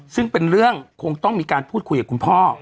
ซึ่งเป็นเรื่องคงต้องมีการพูดคุยกับคุณพ่อ